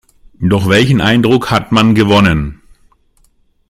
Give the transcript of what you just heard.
Doch welchen Eindruck hat man gewonnen?